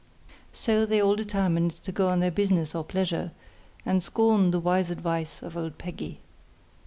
So they all determined to go on their business or pleasure, and scorned the wise advice of old Peggy.